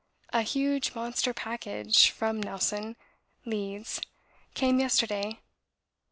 A huge monster package, from 'Nelson, Leeds,' came yesterday.